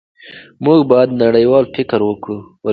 موږ باید نړیوال فکر ولرو.